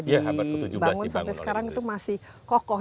di bangun sampai sekarang itu masih kokoh